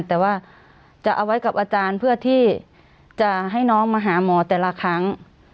แต่ว่าจะเอาไว้กับอาจารย์เพื่อที่จะให้น้องมาหาหมอแต่ละครั้ง